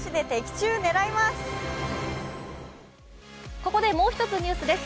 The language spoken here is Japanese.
ここでもう１つニュースです